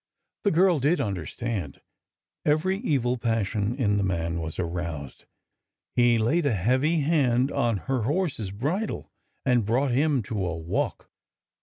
The girl did understand ! Every evil passion in the man was aroused. He laid a heavy hand on her horse's bridle and brought him to a walk.